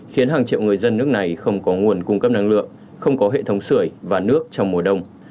khiến hàng triệu người dân nước này không có nguồn cung cấp năng lượng không có hệ thống sửa và nước trong mùa đông